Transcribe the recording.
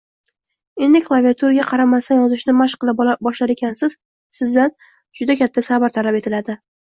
Endi klaviaturaga qaramasdan yozishni mash qila boshlar ekansiz, Sizdan juda katta sabr talab etiladi